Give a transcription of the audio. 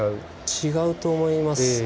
違うと思います。